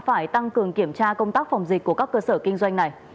phải tăng cường kiểm tra công tác phòng dịch của các cơ sở kinh doanh này